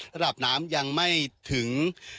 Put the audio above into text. ระดับน้ำยังไม่ถึง